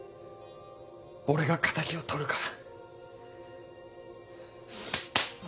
俺が敵を取るから。